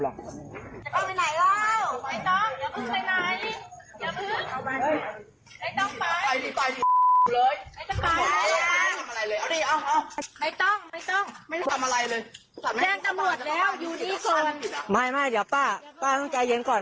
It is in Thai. ไม่ไม่เดี๋ยวป้าป้าต้องใจเย็นก่อน